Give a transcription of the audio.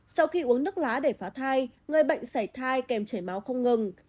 sau khi uống nước lá để phá thai người bệnh xảy thai kèm chảy máu không ngừng